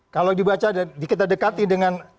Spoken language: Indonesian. kalau dibaca dan kita dekati dengan